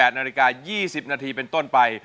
นาฬิกา๒๐นาทีเป็นต้นไป